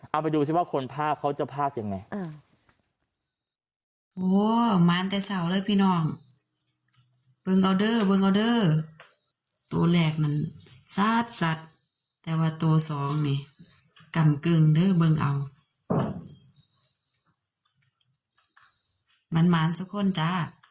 เอาไปดูสิว่าคนภาพจะภาพอย่างไง